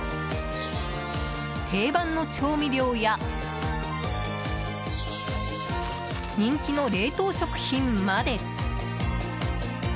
定番の調味料や人気の冷凍食品まで！